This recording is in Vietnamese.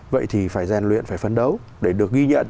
vậy thì phải rèn luyện phải phấn đấu để được ghi nhận